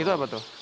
itu apa tuh